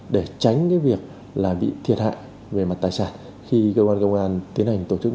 để tránh việc bị thiệt hại về mặt tài sản khi cơ quan công an tiến hành tổ chức